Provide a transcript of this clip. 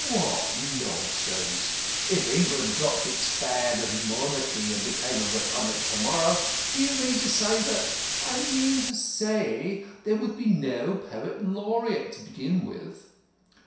"What nonsense! If England dropped its fad of Monarchy and became a Republic to morrow, do you mean to say that ?" "I mean to say there would be no Poet Laureate to begin with."